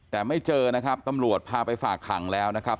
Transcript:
แต่ไม่เจอนะครับตำรวจพาไปฝากขังแล้วนะครับ